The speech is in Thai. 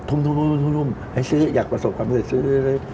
ทุ่มทุ่มทุ่มทุ่มทุ่มให้ซื้ออยากประสบความเกิดซื้อ